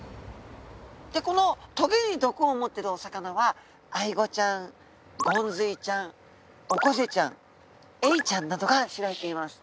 でこの棘に毒を持っているお魚はアイゴちゃんゴンズイちゃんオコゼちゃんエイちゃんなどが知られています。